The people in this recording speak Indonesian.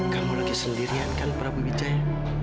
kamu lagi sendirian kan prabu wijaya